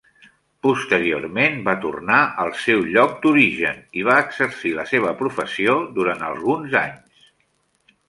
Posteriorment va tornar al seu lloc d'origen i va exercir la seva professió durant alguns anys.